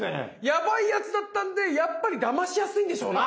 やばいやつだったんでやっぱりだましやすいんでしょうな。